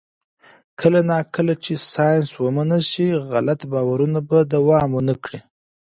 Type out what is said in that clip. کله نا کله چې ساینس ومنل شي، غلط باورونه به دوام ونه کړي.